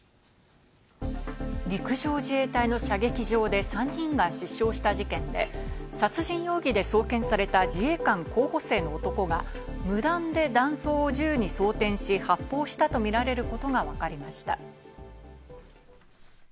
陸上自衛隊の射撃場で３人が死傷した事件で、殺人容疑で送検された自衛官候補生の男が無断で弾倉を銃に装てんし、発砲したとみられることがわかりました。